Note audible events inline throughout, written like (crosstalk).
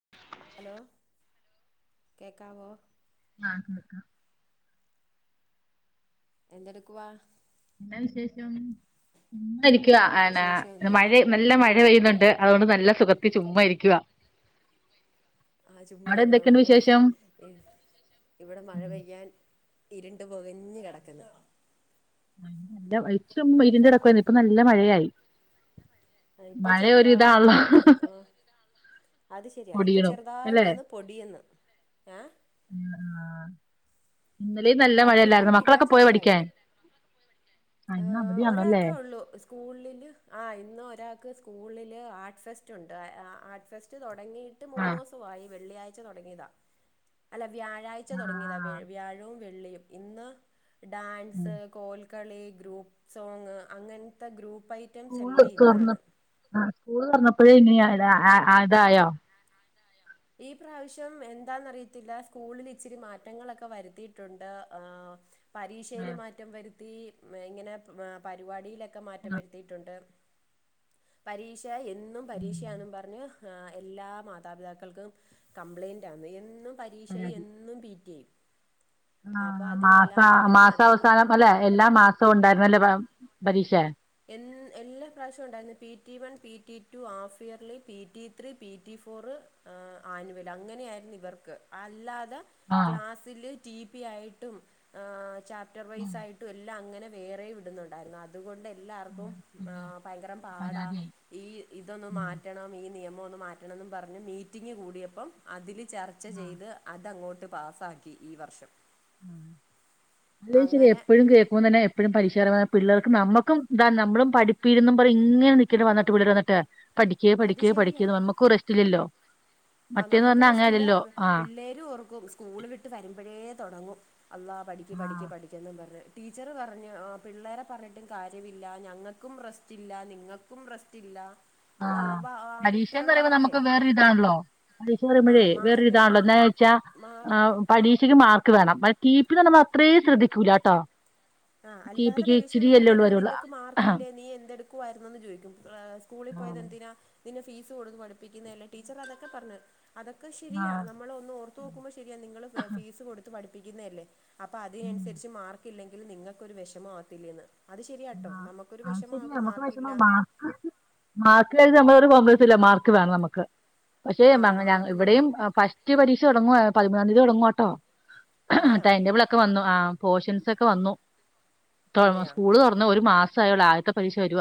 (inaudible) Hello. കേക്കാവോ? ആഹ് ഉം. ഉം. എന്തെടുക്ക് വാ എന്താ വിശേഷം. ഇന്നനിക്ക് ആഹ് അനാ വിശേഷമൊന്നും മഴ നല്ല മഴ പെയ്യുന്നുണ്ട് അതുകൊണ്ട് നല്ല സുഖത്തി ചുമ്മാ ഇരിക്കുവ. ആഹ് അവിടെ ചുമ്മായിരുന്നോ എന്തൊക്കെയുണ്ട് നല്ല വിശേഷം രസെണ്ട്. ഇവിടെ മഴ ഉം പെയ്യാൻ ഇര്ണ്ട് പൊകഞ്ഞ് കെടക്ക് ന്ന്. ല എത്തും ഇതിൻ്റടക്ക് ഇപ്പം നല്ല മഴയായി. എ ഇപ്പൊ മഴ ഒരിതാണല്ലോ ചെറുതായിട്ട് എ. അത് ശരിയാ ഇപ്പം പൊടിയണു ചെറുതായിട്ട് അല്ലെ ഒന്ന് പൊടിയന്ന് ഏ ഇന്നലെും നല്ല മഴയല്ലായിരുന്നു വലുതായിട്ടില്ല മക്കളൊക്കെ പോയി പഠിക്കാൻ? ഇന്ന് ആഹ് അവധിയാണല്ലോ അല്ലേ ഒരാൾക്കേ ഉള്ളൂ സ് സ്കൂളിൽ ആഹ് ഇന്ന് ഒരാൾക്ക് സ്കൂളിൽ ആർട്ട് ഫെസ്റ്റ് ഉണ്ട് ആർട്ട് ഫെസ് തുടങ്ങയിട്ട് മൂന്ന് ആഹ് ദവസ വെള്ളിയാഴ് തുടങ്ങിയതാ അല്ല വ്യാഴ വ്യാഴാഴ് തുടങ്ങിയതാണ് വ്യാഴവും വെള്ളിയും ഇന്ന് ഉം ഡാൻസ് കോൽക്കളി ഗ്രൂപ്പ് സോങ് അങ്ങനത്തെ ഗ്രൂപ്പയി സ്കൂൾ ആഹ് സ്കൂൾ തുഞ്ഞപ്പോഴ ഇന ഇതായോ ഈ പ്രാവശ്യം എന്താന്നറിയത്തില്ല സ്കൂളിൽ ഇച്ചിരി മാറ്റങ്ങളൊക്കെ വരുത്തിയിട്ടുണ്ട് ആഹ് ആ, പരീക്ഷൽ മാറ്റം വരുത്തി ഇങ്ങനെ പരിപാടിയിലൊക്കെ (unintelligible) മാറ്റം വരുത്തിയിട്ടുണ്ട് പരീക്ഷ എന്നും ഉം, പരീക്ഷയാണെന്നും പറഞ്ഞു എല്ലാ മാതാപിതാക്കൾക്കും കംപ്ലൈയിൻറ് ആാണ് എന്നും പരീക്ഷ പരാതി എന്നും പിറ്റി ആഹ് മാസ മാസാവസാനം അല്ലെ എല്ലാ മാസവും ഉണ്ടായിന്നല്ലേ പരീക്ഷ എൻ എല്ലാ പ്രാവശ്യവും ഉണ്ടായിരുന്നു P T one P T two half yearly P T three P T four ആഹ് ആനുവൽ അങ്ങനെയ ആായിരുന്നു ഇവർക്ക് അല്ലാതെ ആഹ് ക്ലാസില് ടി പി ആയിട്ടും ചാപ്റ്റർ വൈ ഉം ആയിട്ടും എല്ല അങ്ങനെ വേറെ വിടുന്നുണ്ടായിരുന്നു അതുകൊണ്ട് എല്ലാവർക്കും ഉം എല്ലാർക്കും ഭയങ്കര പാടാ പരാതിയായി ഈ ഇതൊന്ന ഉം മാറ്റണം ഈ നിയമം മാറ്റണം മാറ്റണംന്ന് പറഞ്ഞ് മീറ്റിംഗ് കൂടിയപ്പം അതിൽ ചർച്ച ആഹ് ചെയ്ത് അതങ്ങോട്ട് പാസ്സാക്കി ഈ വർഷം അതേയ്ശരി അങ്ങനെ എപ്പഴും കേൾക്കുമ്പ തന്നെ എപ്പോഴും പരിഷകാര പിള്ളേർക്കും നമ്മുക്ക ഇാ നമ്മളും പഠപ്പിരുന്ന പറ ഇങ്ങനെ നിക്കേണ്ട് വന്നിട്ട് പിള്ളേർ വന്നിട്ട് പഠിക്കയേ അത് പഠിക്കുകേ പഠിക്കുക നമുക്ക് റസ്റ്റില്ലല്ലോ ആഹ് നമുക്ക് റസ്റ്റ് ഇല്ല പിള്ളേ ആഹ് പിള്ളേര് ഓർക്കും സ്കൂള വിട്ട് വരുമ്പോഴേ തുടങ്ങും അല്ലാ പഠിക്ക് പഠിക്ക് ആഹ് പഠിക്ക എന്നും പറ ടീച്ചറ് പറഞ്ഞ് പിള്ളേരെ പറഞ്ഞിട്ടും കാര്യമില്ല ഞങ്ങൾക്കും റെസ്റ്റ ഇില്ല നിങ്ങൾക്ക് ക്കും റസ്റ്റ് ഇല്ല ആഹ് പരീക്ഷന്ന് പറയുമ്പോ നമുക്ക് വേറൊരിതാണല്ലോ പരീക്ഷ ആ പറയുമ്പോഴ മാ എന്നിട്ട് വേറൊരിതാണല്ലോ എന്നച്ച മാർ ആഹ് പരീക്ഷയ്ക്ക് മാർക്ക് വേണം കടി പിന്ന് നമ്മൾ അത്രയും ശ്രദ്ധിക്കൂല കേട്ടോ ആ്ഹ് അല്ലാതെ പീക്ഷ ഉള്ളൂ ഇടുമ്പോഴത്തേക്കും വരുള്ളൂ നിനക്ക് മാർക്ക് ആഹ് ഇല്ലേ നീ എന്തെടുക്കുായിരുന്നുുന്നന്ന് ചോദിക്കും സ്കൂളിൽ പോയത് എന്തിനാ ഇന്നെ ഫീസ് കൊടുന്ന് പഠിപ്പിക്കുന്നതല്ലേ ടീച്ചർ അതൊക്കെ പറഞ്ഞു അതൊക്കെ ശരിയാ ആഹ് നമ്മള ഒന്ന് ഓർത്ത് നോക്കുമ്പോ ശരിയാ നിങ്ങള് ഫീസ് കൊടുത്ത് പഠിപ്പിക്കുന്നത അല്ലേ അപ്പൾ ഉം അതിനനുസരിച്ച് മാർക്ക് ഇല്ലെങ്കിൽ നിങ്ങൾക്കൊരു വിഷമമാവത്തില്ലന്ന് അത് ശരിയാട്ടോ നമുക്കൊരു അത് ശരിയാ വിഷമാകും നമുക്ക് മാർക്കില്ല വിഷമം മാർക്ക് മാർക്ക് കര്യത്തി നമ്മള ഒരു കോപ്ലസ്ല്ല മാർക്ക് വേണം നമുക്ക് ആഹ് പക്ഷേഞ മാർക്ക് ഇവിടെയും വേണം ഫസ്റ്റ് പരീക്ഷ തുടങ്ങുവ പതിമൂന്നാം തീയതി തുടങ്ങുവ കേട്ടോ അതെയാ അതിന്റെ വന്നു ആഹ്പോഷൻൊക്കെ വന്നു അതെയാ സ്കൂ ഒരു മാസ ആയുള്ളൂ ആദ്യത്തെ പരീക്ഷ വരു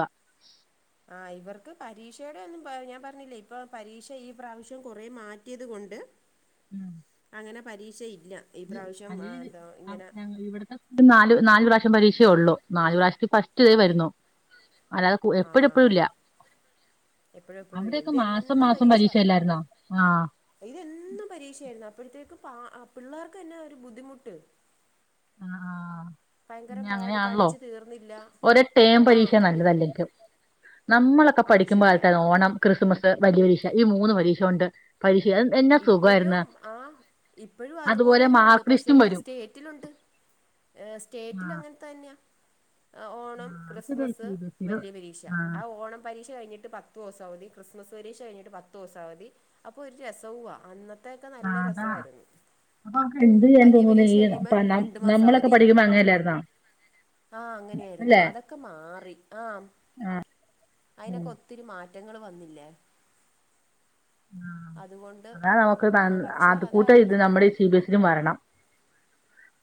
ആഹ് ഇവർക്ക് പരീക്ഷയുടെ ഒന്നും ഞാൻ പറഞ്ഞില്ലേ ഇപ്പൊ പരീക്ഷ ഈ പ്രാവശ്യം കുറ മാറ്റിയത് കൊണ്ട് (inaudible) അങ്ങനെ പരീക്ഷ ഇല്ല ഈ ഇത് പ്രാവശ്യം അല്ലെങ്കിൽ എന്താ ഇങ്ങനെ ഞ ഇവിടുത്തെ നാല് നാല് പ്രാവശ്യം പരീക്ഷേ ഉള്ളൂ നാല് പ്രാവശ്യത്തിൽ ഫസ്റ്റ വരുന്നു അല്ലാതെ എപ്പഴും എപ്പഴും ഇല്ല ആഹ് എപ്പോഴും എപ്പോഴും ഇല്ല അവിടെൊക്കെ മാസം ഇതെന്നും മാസം പരീക്ഷല്ലായിരുന്നോ ആഹ് ഇത് എന്നും പരീക്ഷയായിരുന്നു അപ്പോഴത്തേക്ക് പ പിള്ളേർക്ക് തന്നെ ഒരു ബുദ്ധിമുട്ട് ആഹ് ഭയങ്കരം പിന്നെ പാട് അങ്ങനെയാണല്ലോ പഠിച്ചു തീർന്നില്ല ഒര ടേം ആഹ് പരീക്ഷ പഠി നല്ലതല്ലങ്കിലും നമ്മളൊക്കെ അത് ശരിയാ പഠിക്കുമ്പോത്ത ഓണം ക്രിസ്മസ് വലിയ പരീക്ഷ ഈ മൂന്ന് പരീക്ഷ ഉണ്ട് പരിശീലം എന്നാ സുഖമായിരുന്ന ഇപ്പോഴും ആ ഇപ്പോഴും അതുപോലെ തന്നെ ഉണ്ട് മാർക് ലിസ്റ്റും വരും (inaudible) ഏഹ് ആ സ്റ്റേറ്റിൽ അങ്ങനെത്ത തന്നെയാ ആ ഓണം അത് ശരിയാ Christmas C B S E വലിയ പരീക്ഷ ആ ആഹ് ഓണം പരീക്ഷ കഴിഞ്ഞിട്ട് പത്ത് പത്ത് ദിവസോ അവധി ക്രിസ്മസ് പരീക്ഷ കഴിഞ്ഞിട്ട് പത്ത് ദിവസം അവധി അപ്പോ ഒരു രസവ അന്നത്തെ ത്തെക്കെ ആ നല്ല അതാ രസവായിരുന്നു അപ്പൊ എന്ത് (unintelligible) രണ്ട് മാസം നമ്മളൊക്കെ പഠിക്കുമ്പോ അങ്ങല്ലായിരുന്നോ ആഹ് അങ്ങനെയായിരുന്നു അതൊക്കെ മാറി ആഹ് അയിനൊക്കെ ഒ ഒത്തിരി മാറ്റങ്ങൾ വന്നില്ലേ അതുകൊ അതാ നമുക്ക് (unintelligible) അത് കൂട്ട ഇത് നല്ല നമ്മുടെ ഈ സി ബി എസിലും വരണം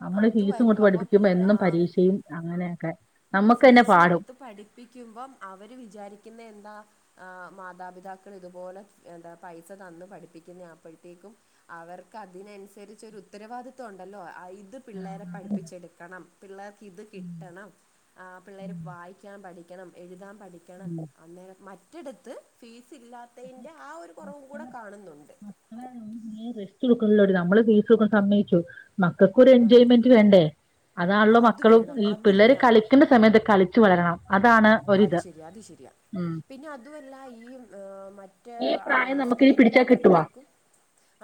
നമ്മള് അത് ഫീസും വരും കൊടുത്ത് അപ്പം പഠിപ്പിക്കുമ്പോ എന്നും ആ, പരീക്ഷയും അങ്ങനെയൊക്കെ നമ്മുക്കന്നെ ഫീസ് പാടും കൊടുത്ത് പഠിപ്പിക്കുമ്പം അവര് വിചാരിക്കുന്നെ എന്താ ആഹ് മാതാപിതാക്കൾ ഇതുപോലെ എന്താ പൈസ തന്നു പഠിപ്പി ക്കുന്നെ അപ്പഴത്തേക്കും അവർക്ക് അതിനനുസരിച്ചൊരു ഉത്തരവാദിത്തം ഉണ്ടല്ലോ അയ് ഇത് ആ, പിള്ളേരെ അതാ. പഠിപ്പിച്ചെടുക്കണം പിള്ളേർക്ക് ഇത് ഉം കിട്ടണം ആഹ് പിള്ളേര് ഉം, വായിക്കാൻ പഠി ക്കണം എഴുതാൻ പഠിക്കണം ഉം. അന്നേര മറ്റിടത്ത് ഫീസ്ല്ലാ അതയിൻ്റെ ആഹ് ഒരു കുറവുകൂടെ മക്കളെ കാണുന്നുണ്ട് റെസ്റ്റ് എടുക്കല്ലോ നമ്മള് ഫീസ്ടുക്കൻ സമ്മയിച്ചു മക്കൾക്കൊരു എൻജോയ്മെന്റ് വേണ്ടേ ആ അതാണല്ലോ അത് മക്കള് വേണം ഈ പിള്ളേര് അതില്ല കളി ക്കണ്ട സമയത്ത് കളിച്ചു വളരണം അതാണ് അത് ഒരിത് ശെരിയാ അത് ശരിയാ ഉം പിന്നെ അതുമല്ല ഈ ങ് മ റ്റേ ഈ പ്രായം നമുക്ക് ഇനി പിടിച്ചാ കിട്ടുവാ സ്റ്റേറ്റിലകുമ്പഴത്തേക്കും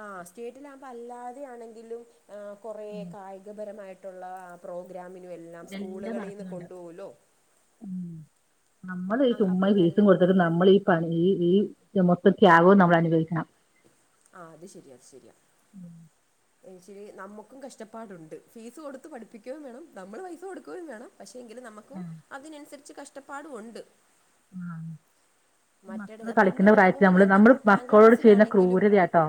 ആഹ് സ്റ്റേറ്റിൽ ആകുമ്പോ അല്ലാതെയണെങ്കിലും ആഹ് കൊറേ കായികപരമായിട്ടുള്ള പ്രോഗ്രാമിനും എല്ലാം സ്കൂളുകളിലീന്ന് കൊണ്ടുപോവലും ഉം നമ്മള് ആ ചുമ്മാ അപ്പോൾ ഇ നല്ല ഫീസും കൊടുത്ത നമ്മള് ഇ പണി മൊത്ത ത്യാകോ നമ്മൾ അനുഭവിക്കണം ആഹ് അത് ശരിയ ത് ശരിയാ ഉം ശരി നമുക്കും കഷ്ടപ്പാടുണ്ട് ഫീസ് കൊടുത്ത് പഠിപ്പിക്കുകയും വേണം നമ്മൾ പൈസ കൊടുക്കുകയും വേണം പക്ഷേ എങ്കിലും നമുക്കും അതിനനുസരിച്ച് കഷ്ടപ്പാടും ഉണ്ട് ആഹ് മറ്റേത് മക്കള് പിന്നെ കളിക്കണ്ട പ്രായത്തിൽ അതുപോലെ നമ്മള് തന്നെ നമ്മള് പത്താം മക്കളോട് ചെയ്യുന്ന ക്ലാസ്സിലാണെങ്കിലും ക്രൂരതയാട്ടോ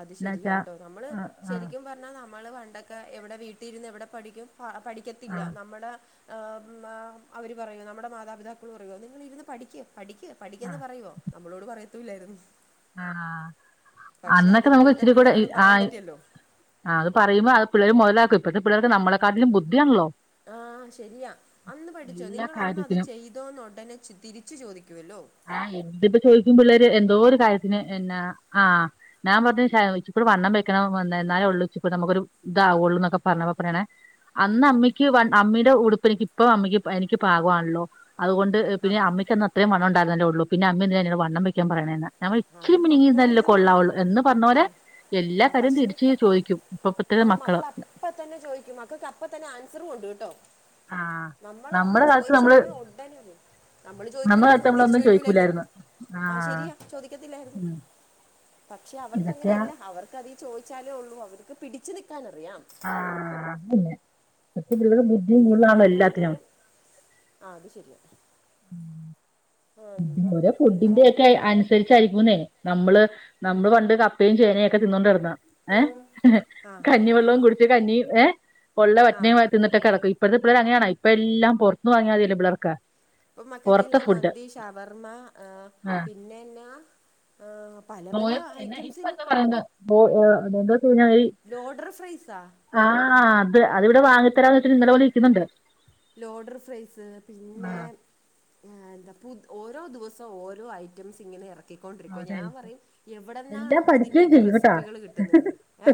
അത് എന്നാ വെച്ചാ ശരിയാട്ടോ നമ്മള് ആഹ് ആഹ് ശരിക്കും പ നമ്മള് പണ്ടൊക്കെ എവിടെ വീട്ടിര്ന്ന് എവിടെ പഠിക്കും പഠിക്കത്തില്ല ആഹ് നമ്മടെ ങ് അവര് പറയു നമ്മടെ മാതാപിതാക്കൾ പറയു നിങ്ങളിരുന്ന് പഠിക്ക് പഠിക്ക് പഠിക്കന്ന് ആഹ് പറയുവോ നമ്മളോട് പറയത്തൂല്ലായിരുന്നു അ ആഹ് പക്ഷെ അത് അന്നൊക്കെ നമുക്ക് ഇപ്പോഴത്തെ ഇച്ചരി കൂടെ പിള്ളേരോട് പറയാൻ ആഹ് പറ്റുവല്ലോ ആഗ് അത് പറയുമ്പോ അത് പിള്ളേര് മുതലാക്കും ഇപ്പഴത്തെ പിള്ളേർക്ക് നമ്മളെ കാട്ടിലും ബുദ്ധിയാണല്ലോ ആഹ് ശരിയാ അന്ന് പഠിച്ചോ എല്ലാ നിങ്ങളന്ന് അത് കാര്യത്തിനും ചെയ് തോന്ന് ഉടനെ തിരിച്ച് ചോദിക്കുവല്ലോ ആഹ് എന്തിപ്പോ ചോദിക്കുമ്പോ പിള്ളേര് എന്തോ ഒരു കാര്യത്തിന് എന്നാ ആഹ് ഞാൻ പറഞ്ഞു ശ (unintelligible) വണ്ണം വെക്കണം എന്നാലെ ഒള്ളു (unintelligible) നമക്കൊരു താവൊള്ളൂ നക്ക പറർഞ്ഞപ്പങ്ങനെ അന്ന് അമ്മിക്ക് വ അമ്മിയുടെ ഉടുപ്പ് എനിക്ക് ഇപ്പ അമ്മിക്ക് എനിക്ക് പാകവാണല്ലോ അതുകൊണ്ട് പിന്നെ ആഹ് അമ്മിക്കന്ന് അത്രയും വണംണ്ടയിരുന്നല്ലേള്ളൂ പിന്നെ അമ്മിന്തിന ങ്ങനെ വണ്ണം വെക്കാൻ പറയ്ണെന്ന് അത് ഞമ്മൾ (unintelligible) മക്കളങ്ങനെ കൊള്ളാവുള്ളു എന്ന് പറഞ്ഞ പോരെ ആഹ് എല്ലാ കാര്യവും തിരിച്ച് ചോദിക്കും ഇപ്പ പ്പത്തെ മ മക്കള അപ്പ തന്നെ ചോയിക്കും മക്കൾക്ക് അപ്പ തന്നെ ആൻസറും ഉണ്ട് ട്ടോ ആഹ് നമ്മളൊർണം നമ്മുടെ കാലത്ത് ചോദിച്ച് നമ്മള് കഴിഞ്ഞാൽ ഉടനും നമ്മള് നമ്മുടെ കാലത്ത് ചോദിക്കൂലായിന്ന് തിരിച്ചു നമ്മളൊന്നും ചോദിക്കൂലായിര്ന്ന് ചോദിക്കൂലായിരുന്നു ആഹ് ചോദിക്കത്തില്ലായിര്ന്ന് ഉം പക്ഷെ അവർക്ക് ഇതൊക്കെയാ അങ്ങനെയല്ല അവർക്ക് അതി ചോദിച്ചാലേ ഒള്ളൂ അവർക്ക് പിടിച്ചു നിൽക്കാനറിയാം ആഹ് അന്നെ (unintelligible) മറ്റ ബുദ്ധിയ കൂടുതാണോ എല്ലാത്തിനും ആഹ് അത് ശരിയ ഓരോ എല്ലാവരും ഫുഡിന്റെയൊക്കെ ഇങ്ങനെ - അനുസരിച്ചരിക്കൂന്നേ നമ്മള് നമ്മള് പണ്ട് കപ്പയും ചേനയുംയൊക്കെ തിന്നോണ്ട് നടന്നതാ ഏ ആ കഞ്ഞിവെള്ളവും കുടിച്ച് കഞ്ഞി ഏ വെള്ള ആ വറ്റനയും തിന്നിട്ടൊക്കെ നടക്കു (unintelligible) വാ ഇപ്പഴത്തെ പിള്ളാർ അങ്ങനെയാണോ ഇപ്പ എല്ലാം പൊറത്തിന്ന് വാങ്ങിയാൽ മതിയല്ലോ പിള്ളേർക്ക് ഇപ്പൊ പൊറത്തെ മക്കൾക്കെല്ലാം ഫുഡ് മന്തി ഷവർമ്മ - ആഹ് പിന്നെ എന്നാ- പല നോ പല (unintelligible) പ്പെ ഇപ്പ ഐറ്റംസിൽ എന്താ പറയുന്ന എന്താഞ്ഞാൽ ലോഡർ ഫ്രൈസാ ആഹ് അത് അത് ഇവിടെ വാങ്ങിത്തരാന്ന് വെച്ചട്ട് ഇന്നലെ മൊതല് ഇരിക്കുന്നുണ്ട് ലോഡർ ഫ്രൈസ് ആഹ് പിന്നെ- ആഹ് എന്താ പു ഓരോ ദിവസം ഓരോ ഐറ്റംസ് ഇങ്ങനെ എറക്ക- റക്കിക്കൊണ്ടിരിക്കുവ ഞാൻ അതായിരിക്കും പറയും എല്ലാം എവിടെന്നാണോ പഠിക്കുകയും ഇതിൻ്റെയൊക്കെ ചെയ്യും കേട്ടാ റെസിപ്പികൾ കിട്ടുന്നതെന്ന് ഏ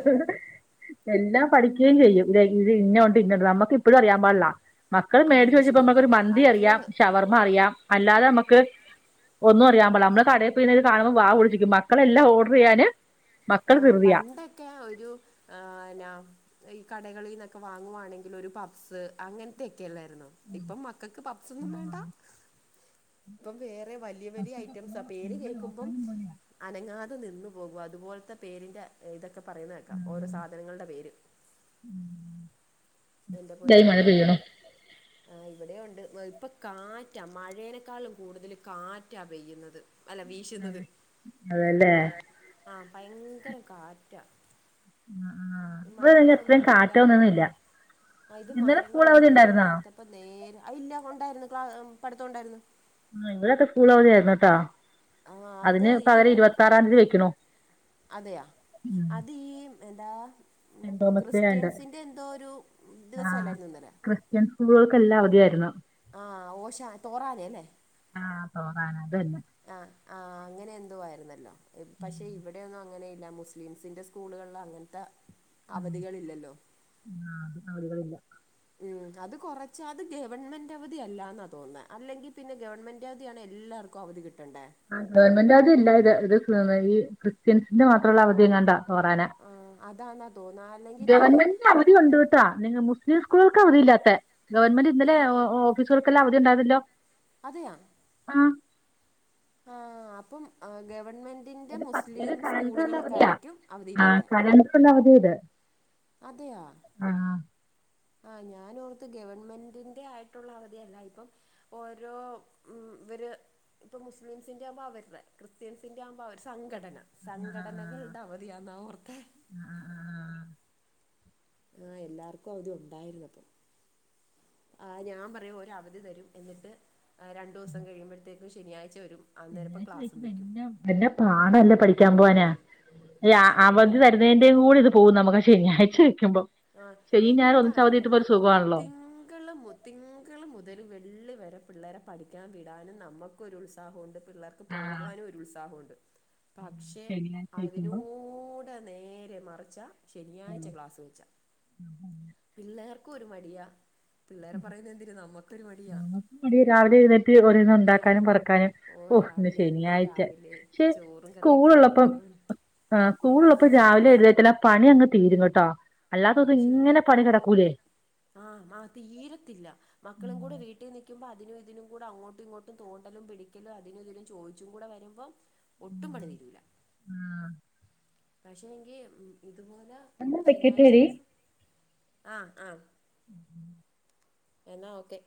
എല്ലാം പഠിക്കുകയും ചെയ്യും ഇ ഇത് ഇന്ന ഉണ്ട് ഇന്നുണ്ട് നമ്മുക്ക് ഇപ്പോഴും അറിയാൻ പാടില്ല മക്കള് ആ മേടിച്ച് അത് മേടിച്ച് ശരിയാ നമ്മുക്കൊരു അത് മന്തിറിയാം ഷവർമ്മറിയാം അല്ലാതെ നമ്മുക്ക് ഒന്നും അറിയാൻ പടില്ല നമ്മള് കടയിൽ- പിന്നെത് കാണുമ്പോ വാ പൊളിച്ചു നിൽക്കും മക്കളെല്ലാം ഓഡർ ചെയ്യാന്- മക്കൾ ആഹ് ധൃതിയാ പണ്ടൊക്കെ ഒരു ആ (unintelligible) ഈ കടകളിൽ നിന്നൊക്കെ വാങ്ങുവാണെങ്കിൽ ഒരു പപ്സ് അങ്ങനെ- ക്കെല്ലായിരുന്നോ ഇപ്പം മക്കൾക്ക് പപ്സൊന്നും വേണ്ട ഇപ്പം വേറെ വല്ലിയ വല്ലിയ ഐറ്റംസാ പേര് കേൾക്കുമ്പം- അനങ്ങാതെ നിന്നു പോകും അതുപോലത്തെ പേരിന്റെ ഇതൊക്കെ പറയുന്ന കേക്കാം ഓരോ സാധനങ്ങളുടെ പേര് ഉം എന്റെ പൊന്നുമോൻ വരും ആ ഹ് ഇവിടെയൊണ്ട് ഇപ്പൊ കാറ്റ മഴേനെക്കാളും കൂടുതൽ കാറ്റാ പെയ്യുന്നത് അല്ല വീശുന്നത് അതല്ലേ ആഹ് ഭയങ്കര കാറ്റാ ആ, ആ. ഇവിടെ നിങ്ങൾ എത്രയും മരങ്ങളൊന്നും ഇല്ലാ- കാറ്റൊന്നുമില്ല ഇത് ഇന്നലെ സ്കൂൾ അവധി മരങ്ങളൊന്നും ഉണ്ടായിരുന്നോ ഇല്ലാത്തപ്പം നേരെ അ ഇല്ല ഒണ്ടായിരുന്നു ക്ല പടിത്തയൊണ്ടായിരുന്നു നിങ്ങടെയൊക്കെ സ്കൂൾ അവധിയായിരുന്നു ട്ടോ ആ അത് അതിന് ഈ പകരം ഇരുപത്തിയറാം തീയതി വെയിക്കിണു അതെയാ അത് ഈ എന്താ- സെന്റ് തോമസ് ഡേ ആയോണ്ട് ക്രിസ്ത്യൻസിൻ്റെ എന്തോ ഒരു ദിവസംമല്ലായിരുന്നു ഇന്നലെ (unintelligible) ൻ സ്കൂളുകൾക്കെല്ലാം അവധിയായിരുന്നു ആഹ് ഓശ തോറാനെ (unintelligible) ല്ലേ ആഹ് പോ (unintelligible) കാണ് അത തന്നെ ആഹ് ആഹ് അങ്ങനെ എന്തോ ആയിരുന്നല്ലോ പക്ഷെ ഇവിടെ ഒന്നും അങ്ങനെയില്ല മുസ്ലിംസിന്റെ സ് - സ്കൂളുകളിൽ അങ്ങനത്തെ ഉം അവധികൾ ഇല്ലല്ലോ ആ അത് നളിക (unintelligible) ളില്ല ഉം അത് കൊറച്ചാ അത് ഗവൺമെന്റ് അവധിയല്ലാന്നാ തോനുന്നെ അല്ലെങ്കിൽ പിന്നെ- ഗവൺമെന്റ് അവധിയാണ് എല്ലാവർക്കും- നിങ്ങക്കോ അവധി കിട്ടണ്ടേ ആ ഗവൺമെന്റ് അത് ഇല്ല ഇത് ഇത് ഈ ക്രിസ്ത്യൻസിന്റെ മാത്രമുള്ള അവധിയെങ്ങാണ്ട തഓറാന ആഹ് അതാന തോന്നാ ഗവൺമെന്റിന്റെ അവധിയൊണ്ട് കേട്ടോ നിങ്ങ മുസ്ലിം സ്കൂളുകൾക്ക് അവധിയില്ലാത്തെ ഗവൺമെന്റ് ഇന്നലെ ഓഫീസുകൾക്കല്ലാം അവധി ഉണ്ടായിരുന്നല്ലോ അതെയൊ ആഹ് ആഹ് അപ്പം ഗവൺമെന്റിന്റെ ഇത് പത്ത് ഇത് മുസ്ലിം കലണ്ടറുള്ള സ്കൂളുകൾക്കായിരിക്കും അവധിയില്ലാത്തെ ല്ല അതെ യതെ (unintelligible) അതെയോ ആഹ് ആ ഞാൻ ഓർത്ത് ഗവൺമെന്റിന്റെ ആയിട്ടുള്ള അവധിയല്ല ഇപ്പം ഓരോ ഇവര് ഇപ്പൊ മുസ്ലിംസിന്റെ ആകുമ്പോ അവരുടെ ക്രിസ്ത്യൻസിന്റെ ആവുമ്പോ അവര്‌ടെ സംഘടന ആ സംഘടനകളുടെ അവധിയാന്നാ ഓർത്തെ ആഹ് ആഹ് ആഹ് ആ എല്ലാർക്കും അവധി ഉണ്ടായിരുന്നു അപ്പൊ ആഹ് ഞാൻ പറയും ഒരു അവധി തരും എന്നിട്ട് രണ്ടു ദിവസം കഴിയുമ്പോഴത്തേക്കും ശനിയാഴ്ച വരും. അന്നേരപ്പം ക്ലാസും വെക്കും. വല്ല്യ പാടല്ലേ പഠിക്കാൻ പോവാന് ഈ ഓഹ് ശരിയാ അവതി തര വരുന്നേന്റെ കൂടെ പോകുംനമുക്ക് ശനിയാഴ്ച്ച വെക്കുംമ്പോ ആ എന്താണോ തിങ്കള് മുതൽ തിങ്കൾ മുതൽ വെള്ളി വരെ പിള്ളേരെ പഠിക്കാൻ വിടാനും നമുക്കൊരു ഉത്സാഹണ്ട്. പിള്ളേർക്ക് ആ, പോകാനും ഒരു ഉത്സാഹണ്ട് പക്ഷെ ശനിയാഴ്ച അതിനോ വെക്കുമ്പോ നോട് നേരെ മറിച്ച ആ, ശനിയാഴ്ച്ച ക്ലാസ് വെച്ച പിള്ളേർക്കും ഒരു മടിയാ പിള്ളേരെ പറയുന്ന എന്തിനാ നമ്മക്ക് ഞങ്ങക്ക് മടിയാ രാവിലെ എഴുന്നേറ്റ് ഓരോന്ന് ആഹ് ഉണ്ടാക്കാനും പെറക്കാനും ഓ ഓഹ് ഇന്ന് രാവിലെ ഇന്നും ശനിയാഴ്ച്ച രാവിലെ പക്ഷെ ചോറും സ്കൂൾ കറിയൊക്കെ ഉള്ളപ്പോ ആക്കണോന്ന് ആ സ്കൂൾ ഉള്ളപ്പോ ആഹ് രാവിലെ എഴുന്നേക്കില്ല പണി അങ്ങ് തീരും കേട്ടോ അല്ലാത്തെ അത് ദിസം ശരിയാ ഇങ്ങനെ പണി കിടക്കൂലേ ആഹ് ആഹ് തീരത്തില്ല. ഉം, മക്കളും കൂടെ വീട്ടിൽ നിൽക്കുമ്പോ അതിനും ഇതിനും കൂടെ അങ്ങോട്ടും ഇങ്ങോട്ടും തോണ്ടലും പിടിക്കലും അതിനും ഇതിനും ചോദി ച്ചും കൂടെ വരുമ്പോൾ ഉം, ഒട്ടും പണി തീരൂല. ആ. പക്ഷെ എങ്കി ഇതുപോലെ ശനിയാഴ്ച്ച ദിവസം ആഹ് ആഹ് ഉം എന്നാ ഓക്കെ